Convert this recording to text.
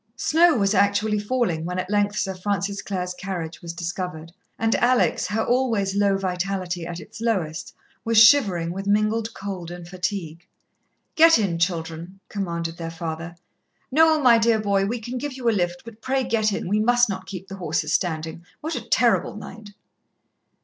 Snow was actually falling when at length Sir Francis Clare's carriage was discovered, and Alex, her always low vitality at its lowest, was shivering with mingled cold and fatigue. "Get in, children," commanded their father. "Noel, my dear boy, we can give you a lift, but pray get in we must not keep the horses standing. What a terrible night!"